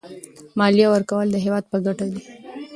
مالیه ورکول د هېواد په ګټه دي.